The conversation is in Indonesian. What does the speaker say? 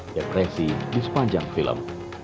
depresi di sepanjang film